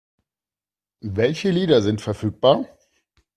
Welche Lieder sind verfügbar?